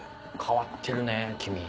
変わってるねぇ君。